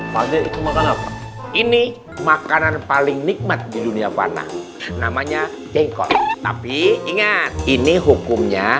pak jatuh makan apa ini makanan paling nikmat di dunia panah namanya jengkol tapi ingat ini hukumnya